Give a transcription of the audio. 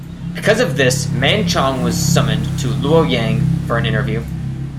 Because of this, Man Chong was summoned to Luoyang for an interview.